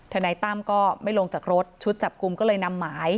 นายตั้มก็ไม่ลงจากรถชุดจับกลุ่มก็เลยนำหมาย